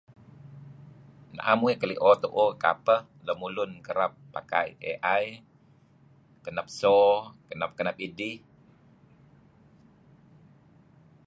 Am uih keli'o tu'uh kapeh lemulun kereb pakai AI kenep so kenep-kenep idih